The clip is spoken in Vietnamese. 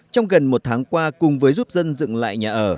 trong gần một tháng qua cùng với giúp dân dựng lại nhà ở